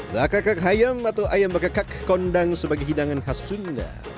lakak hayam atau ayam bakak kondang sebagai hidangan khas sunda